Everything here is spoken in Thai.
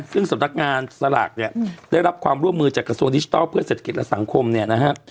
ซึ่งสำนักงานสลากเนี่ยได้รับความร่วมมือจากกระทรวงดิจิทัลเพื่อเศรษฐกิจและสังคมเนี่ยนะฮะ